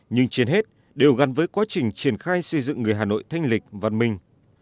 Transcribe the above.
nhưng trên hết đều gắn với quá trình triển khai xây dựng người hà nội thanh lịch văn minh